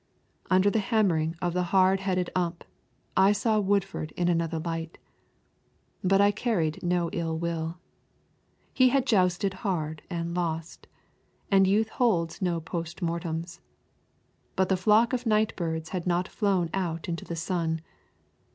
Under the hammering of the hard headed Ump, I saw Woodford in another light. But I carried no ill will. He had jousted hard and lost, and youth holds no post mortems. But the flock of night birds had not flown out into the sun.